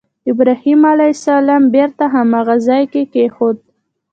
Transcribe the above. ابراهیم علیه السلام بېرته هماغه ځای کې کېښود.